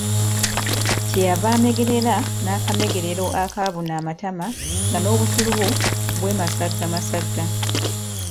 Kye yava amegerera n’akamegerero akaabuna amatama nga n’obusulubu bwemasaggamasagga.